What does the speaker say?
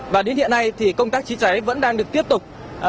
và đến hiện nay thì công tác chữa cháy vẫn đang được tiếp tục